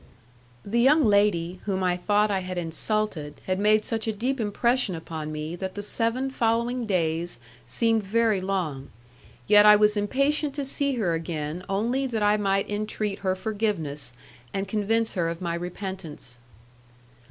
The young lady, whom I thought I had insulted, had made such a deep impression upon me that the seven following days seemed very long; yet I was impatient to see her again only that I might entreat her forgiveness, and convince her of my repentance.